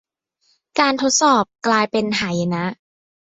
การทดสอบกลายเป็นหายนะ